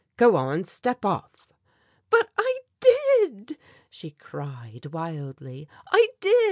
Go on, step off!" "But I did!" she cried wildly; "I did.